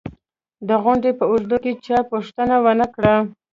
د غونډې په اوږدو کې چا پوښتنه و نه کړه